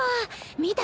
見た？